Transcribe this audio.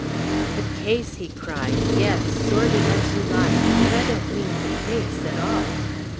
"The case!" he cried. "Yes, sordid as you like; but I don't mean the case at all."